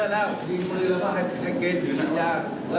ลองกินไหมล่ะ